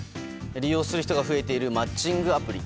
利用する人が増えているマッチングアプリ。